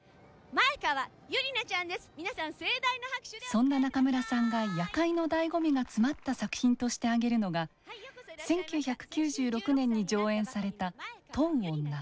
そんな中村さんが「夜会」の醍醐味が詰まった作品として挙げるのが１９９６年に上演された「問う女」。